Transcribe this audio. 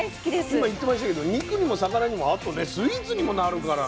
今言ってましたけど肉にも魚にもあとねスイーツにもなるからね。